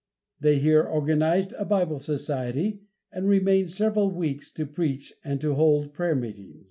They here organized a Bible society, and remained several weeks to preach and to hold prayer meetings.